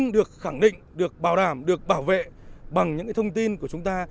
được khẳng định được bảo đảm được bảo vệ bằng những thông tin của chúng ta